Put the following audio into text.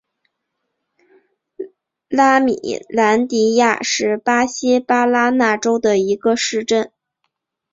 拉米兰迪亚是巴西巴拉那州的一个市镇。